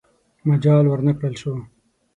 مجال ورنه کړل شي.